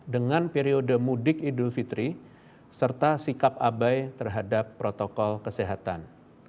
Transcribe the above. dengan periode mudik idul fitri serta sikap abai terhadap protokol kesehatan